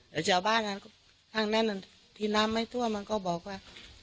แต่เจ้าบ้านตรงนั้นตั้งแหน่งตาที่นำไว้ทั่วมันก็บอกว่า